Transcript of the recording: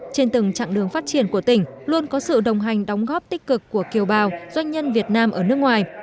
trên từng trạng đường phát triển của tỉnh luôn có sự đồng hành đóng góp tích cực của kiều bào doanh nhân việt nam ở nước ngoài